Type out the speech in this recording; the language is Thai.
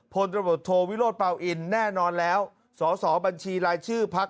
พลระบบโทวิโรทเปล่าอินแน่นอนแล้วสบัญชีรายชื่อพรรค